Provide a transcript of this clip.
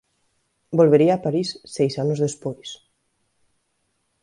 Volvería a Paris seis anos despois.